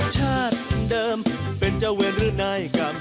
ชาติเดิมเป็นเจ้าเวรหรือนายกรรม